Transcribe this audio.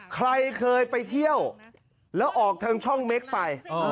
ใครเคยไปเที่ยวแล้วออกทางช่องเม็กไป